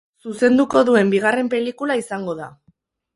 Zuzenduko duen bigarren pelikula izango da.